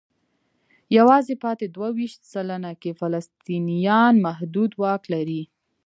یوازې پاتې دوه ویشت سلنه کې فلسطینیان محدود واک لري.